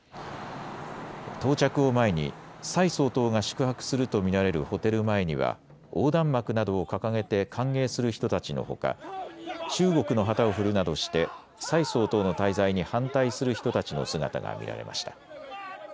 到着を前に蔡総統が宿泊すると見られるホテル前には横断幕などを掲げて歓迎する人たちのほか、中国の旗を振るなどして蔡総統の滞在に反対する人たちの姿が見られました。